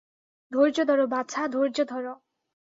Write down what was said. ধৈর্য ধরো, বাছা, ধৈর্য ধরো।